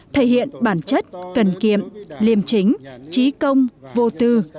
thể hiện bản chất cần kiệm liêm chính trí công vô tư